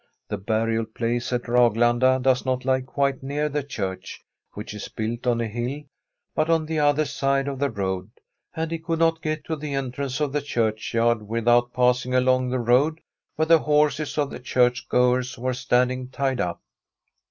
The burial place at Rag^anda does not lie quite near the church, which is built on a hill, but on the other side of the road; and he could not get to the entrance of the diurchyard with out passing along the road where the horses of the chimrh goers were standing tied up.